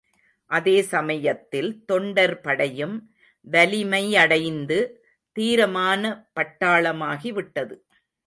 அதேசமயத்தில் தொண்டர் படையும் வலிமையடைந்து தீரமான பட்டாளமாகி விட்டது.